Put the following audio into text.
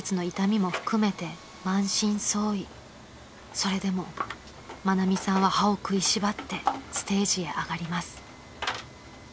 ［それでも愛美さんは歯を食いしばってステージへ上がります］